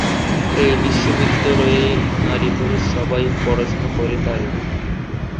এই বিশ্ববিদ্যালয়ে নারী-পুরুষ সবাই পড়াশোনা করে পারে।